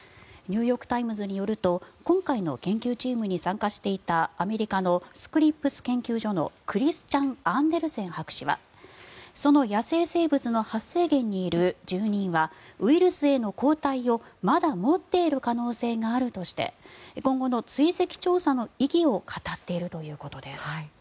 ニューヨーク・タイムズによると今回の研究チームに参加していたアメリカのスクリップス研究所のクリスチャン・アンデルセン博士はその野生生物の発生源にいる住人はウイルスへの抗体をまだ持っている可能性があるとして今後の追跡調査の意義を語っているということです。